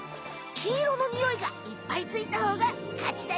きいろのニオイがいっぱいついた方がかちだよ！